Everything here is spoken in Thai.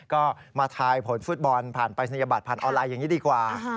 ก็มาทายผลฟุตบอลผ่านปรายศนียบัตรผ่านออนไลน์อย่างนี้ดีกว่า